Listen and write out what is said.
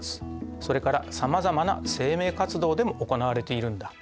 それからさまざまな生命活動でも行われているんだ。